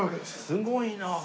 すごいなあ！